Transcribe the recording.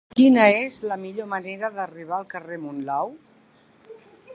Quina és la millor manera d'arribar al carrer de Monlau?